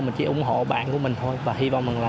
mình chỉ ủng hộ bạn của mình thôi và hy vọng rằng là